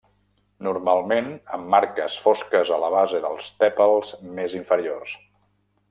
Normalment amb marques fosques a la base dels tèpals més inferiors.